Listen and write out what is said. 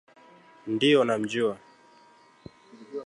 Ndio namjua